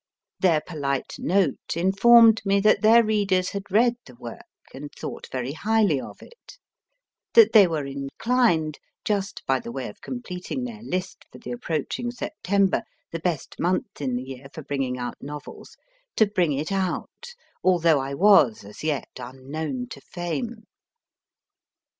Their polite note informed me that their readers had read the work and thought very highly of it, that they were inclined just by the way of completing their list for the approaching September, the best month in the year for bringing out novels to bring it out, although I was, as yet, unknown to fame.